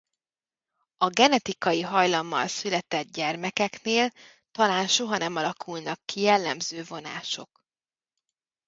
A genetikai hajlammal született gyermekeknél talán soha nem alakulnak ki a jellemző vonások.